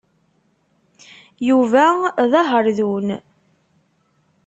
Yuba d aherdun.